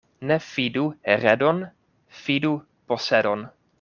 Ne fidu heredon, fidu posedon.